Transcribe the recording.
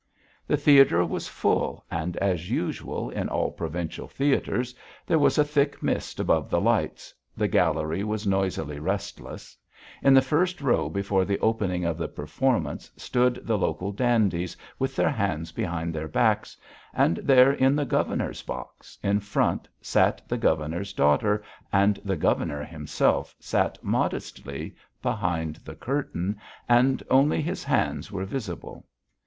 The theatre was full and, as usual in all provincial theatres, there was a thick mist above the lights, the gallery was noisily restless; in the first row before the opening of the performance stood the local dandies with their hands behind their backs, and there in the governor's box, in front, sat the governor's daughter, and the governor himself sat modestly behind the curtain and only his hands were visible.